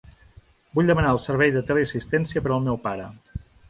Vull demanar el servei de teleassistència per al meu pare.